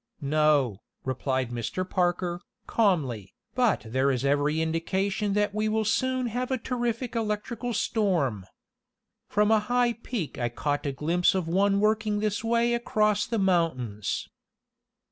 "No," replied Mr. Parker, calmly, "but there is every indication that we will soon have a terrific electrical storm. From a high peak I caught a glimpse of one working this way across the mountains."